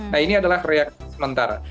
nah ini adalah reaksi sementara